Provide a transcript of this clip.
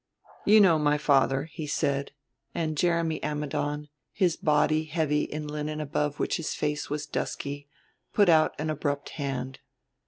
"You know my father," he said, and Jeremy Ammidon, his heavy body in linen above which his face was dusky, put out an abrupt hand.